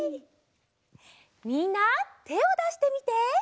みんなてをだしてみて。